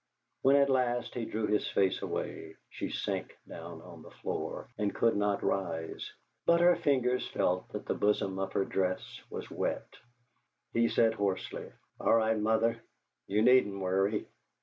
When at last he drew his face away she sank down on the floor, and could not rise, but her fingers felt that the bosom of her dress was wet. He said hoarsely: "It's all right, Mother; you needn't worry!"